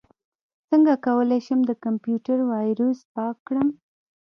څنګه کولی شم د کمپیوټر ویروس پاک کړم